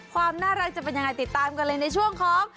ความน่ารักจะเป็นยังไงติดตามกันเลยในช่วงของ